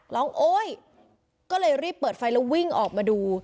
โอ๊ยก็เลยรีบเปิดไฟแล้ววิ่งออกมาดู